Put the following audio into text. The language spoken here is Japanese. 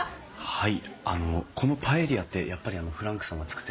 はい。